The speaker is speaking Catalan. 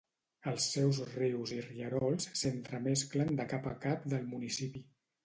Els seus rius i rierols s'entremesclen de cap a cap del municipi.